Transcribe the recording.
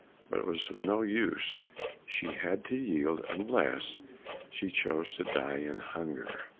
But it was of no use, she had to yield unless she chose to die of hunger.